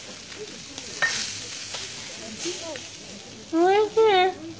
おいしい！